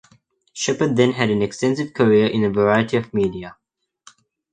Shepherd then had an extensive career in a variety of media.